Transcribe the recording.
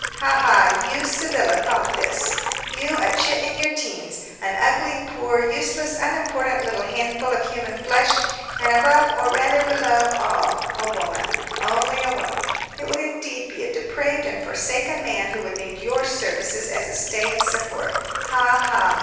"Ha ha! You, Sybylla, thought this! You, a chit in your teens, an ugly, poor, useless, unimportant, little handful of human flesh, and, above, or rather below, all, a woman only a woman! It would indeed be a depraved and forsaken man who would need your services as a stay and support! Ha ha!